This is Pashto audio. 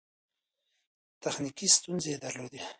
تخنیکي ستونزې یې درلودې.